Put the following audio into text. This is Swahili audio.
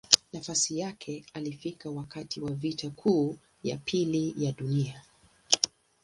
Nafasi yake alifika wakati wa Vita Kuu ya Pili ya Dunia.